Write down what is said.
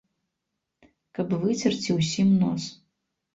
Каб выцерці ўсім нос.